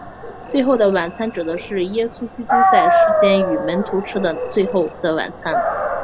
最后的晚餐指的是耶稣基督在世间与门徒吃的最后的晚餐。